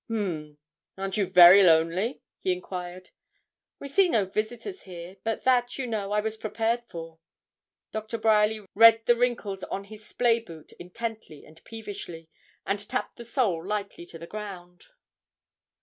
'H'm! Aren't you very lonely?' he enquired. 'We see no visitors here; but that, you know, I was prepared for.' Doctor Bryerly read the wrinkles on his splay boot intently and peevishly, and tapped the sole lightly on the ground.